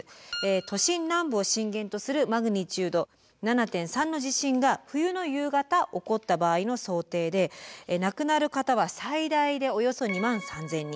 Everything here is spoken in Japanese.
都心南部を震源とするマグニチュード７．３の地震が冬の夕方起こった場合の想定で亡くなる方は最大でおよそ２万３，０００人。